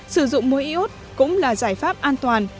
sử dụng muối y ốt cũng là giải pháp an toàn